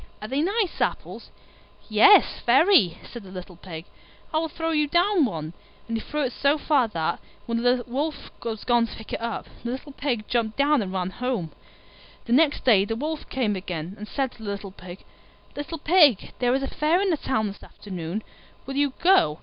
Are they nice apples?" "Yes, very," said the little Pig; "I will throw you down one." And he threw it so far that, while the Wolf was gone to pick it up, the little Pig jumped down and ran home. The next day the Wolf came again, and said to the little Pig, "Little Pig, there is a Fair in the Town this afternoon: will you go?"